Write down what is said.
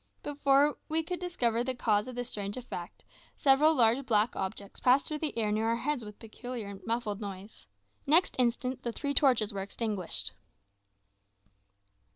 Before we could discover the cause of this strange effect, several large black objects passed through the air near our heads with a peculiar muffled noise. Next instant the three torches were extinguished.